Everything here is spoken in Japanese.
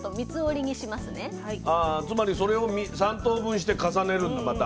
つまりそれを３等分して重ねるんだまた。